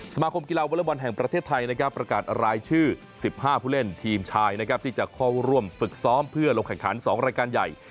สมาคมกีฬาวอเล็กบอลแห่งประเทศไทยนะครับประกาศรายชื่อ๑๕ผู้เล่นทีมชายนะครับที่จะเข้าร่วมฝึกซ้อมเพื่อลงแข่งขัน๒รายการใหญ่